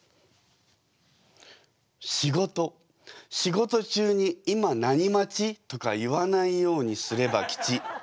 「仕事仕事中に『今何待ち？』とか言わないようにすれば吉。